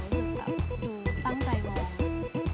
หนูตั้งใจมอง